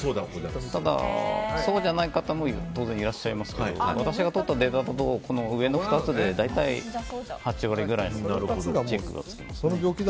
ただ、そうじゃない方も当然いらっしゃいますけど私がとったデータだと上の２つで大体、８割くらいの方がチェックがつきます。